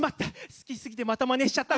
すきすぎてまたまねしちゃった！